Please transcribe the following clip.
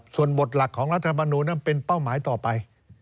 ส่วนบทหลักของรัฐมนูลนั้นเป็นเป้าหมายต่อไป